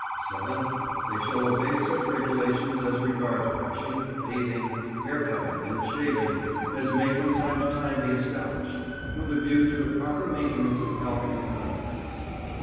7. They shall obey such regulations as regards washing, bathing, hair cutting, and shaving as may from time to time be established, with a view to the proper maintenance of health and cleanliness.